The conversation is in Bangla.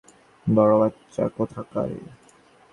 বড় বাচ্চা কোথাকারে?